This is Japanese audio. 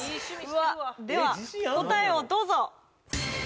うわっでは答えをどうぞ！